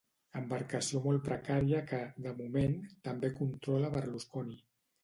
Embarcació molt precària que, de moment, també controla Berlusconi.